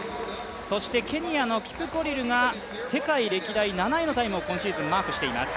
そしてケニアのキプコリルが世界歴代７位のタイムを今シーズンマークしています。